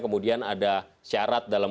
kemudian ada syarat dalam